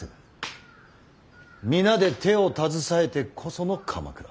皆で手を携えてこその鎌倉。